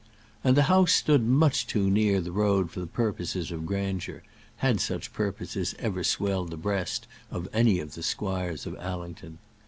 And the house stood much too near the road for purposes of grandeur, had such purposes ever swelled the breast of any of the squires of Allington.